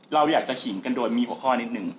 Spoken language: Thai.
เราอยากจะขิงกันโดยมีหัวข้อนิดนึง